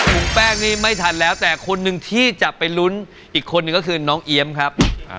หมูแป้งนี่ไม่ทันแล้วแต่คนหนึ่งที่จะไปลุ้นอีกคนนึงก็คือน้องเอี๊ยมครับ